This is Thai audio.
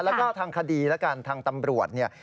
แล้วก็ทางคดีแล้วกันทางตำรวจเนี่ย